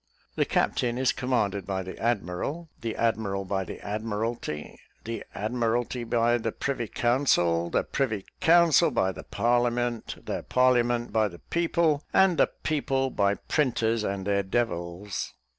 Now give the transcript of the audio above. The captain is commanded by the admiral, the admiral by the Admiralty, the Admiralty by the Privy Council, the Privy Council by the Parliament, the Parliament by the people, and the people by printers and their devils."